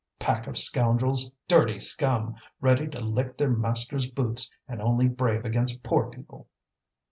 "Pack of scoundrels! dirty scum! ready to lick their masters' boots, and only brave against poor people!"